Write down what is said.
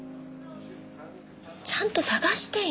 ちゃんと探してよ。